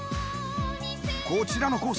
こちらのコース